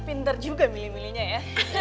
pinter juga milih milihnya ya